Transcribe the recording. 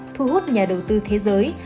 thu hút nhà đầu tư thế giới